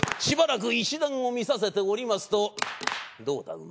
しばらく石段を見させておりますとどうだ？